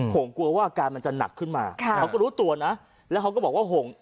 คงกลัวว่าอาการมันจะหนักขึ้นมาค่ะเขาก็รู้ตัวนะแล้วเขาก็บอกว่าหง